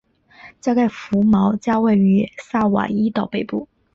加盖福毛加位于萨瓦伊岛北部。